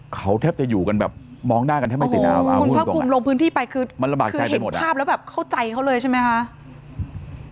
เขาแทบจะอยู่กันแบบมองหน้ากันแทบไม่ติดหน้าโอ้โหคุณพระคุณลงพื้นที่ไปคือเห็นภาพแล้วเข้าใจเขาเลยใช่ไหมคะ